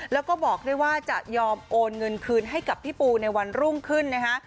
แล้วก็บอกด้วยว่าจะยอมโอนเงินคืนให้กับพี่ปูในวันรุ่งขึ้นนะคะ